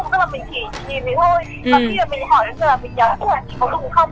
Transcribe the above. và khi mà mình hỏi là mình nhắn dùng có dùng không